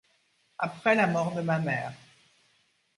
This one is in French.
Après la mort de ma mère.